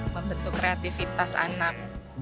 membentuk kreativitas anak